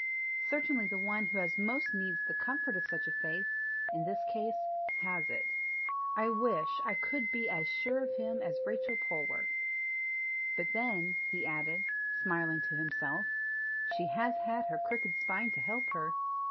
Certainly the one who most needs the comfort of such a faith, in this case HAS it. I wish I could be as sure of him as Rachel Polwarth! But then," he added, smiling to himself, "she has had her crooked spine to help her!